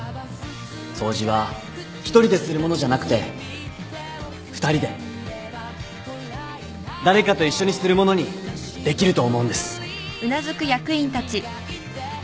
掃除は１人でするものじゃなくて２人で誰かと一緒にするものにできると思うんです。